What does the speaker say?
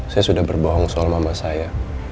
saya sudah berbohong soal mama saya